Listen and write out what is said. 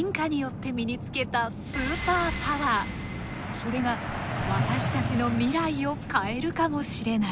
それが私たちの未来を変えるかもしれない。